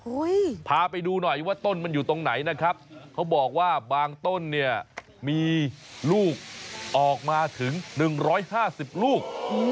พาไปดูหน่อยว่าต้นมันอยู่ตรงไหนนะครับเขาบอกว่าบางต้นเนี่ยมีลูกออกมาถึงหนึ่งร้อยห้าสิบลูก